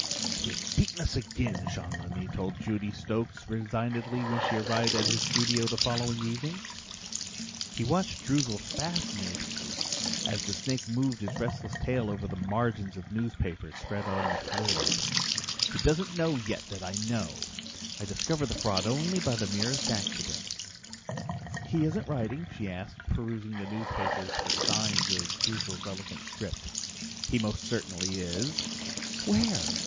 "He has beaten us again," Jean Lanni told Judy Stokes resignedly when she arrived at his studio the following evening. He watched Droozle fascinatedly as the snake moved his restless tail over the margins of newspapers spread on the floor. "He doesn't know yet that I know. I discovered the fraud only by the merest accident." "He isn't writing?" she asked, perusing the newspapers for signs of Droozle's elegant script. "He most certainly is." "Where?"